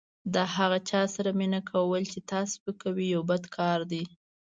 د هغه چا سره مینه کول چې تا سپکوي یو بد کار دی.